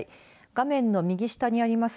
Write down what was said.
画面の右下にあります